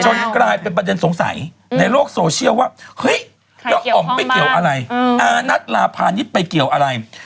จนกลายเป็นประเด็นสงสัยในโลกโซเชียลว่า